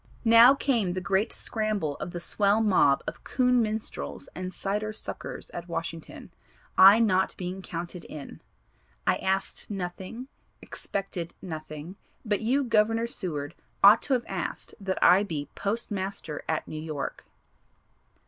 "Now came the great scramble of the swell mob of coon minstrels and cider suckers at Washington, I not being counted in. I asked nothing, expected nothing, but you Governor Seward ought to have asked that I be Post Master at New York."